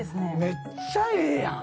めっちゃええやん。